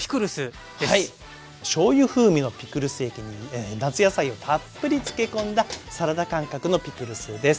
しょうゆ風味のピクルス液に夏野菜をたっぷり漬け込んだサラダ感覚のピクルスです。